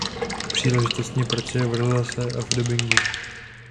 Příležitostně pracuje v rozhlase a v dabingu.